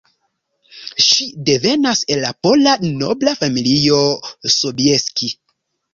Ŝi devenas el la pola nobla familio Sobieski.